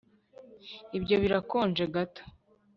Ibyo birakonje gato